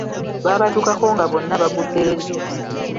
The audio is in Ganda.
Baabatuukako nga bonna baudde eri.